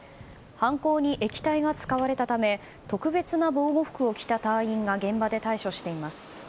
犯行に液体が使われたため特別な防護服を着た隊員が現場で対処しています。